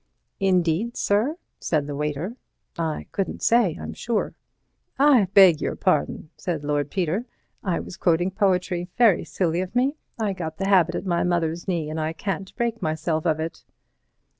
"Indeed, sir?" said the waiter. "I couldn't say, I'm sure." "I beg your pardon," said Lord Peter, "I was quoting poetry. Very silly of me. I got the habit at my mother's knee and I can't break myself of it."